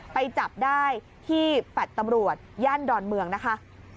ไปจับได้ที่แฟลต์ตำรวจย่านดอนเมืองนะคะ